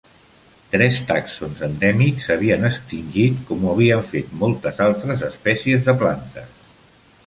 Tres tàxons endèmics s'havien extingit, com ho havien fet moltes altres espècies de plantes.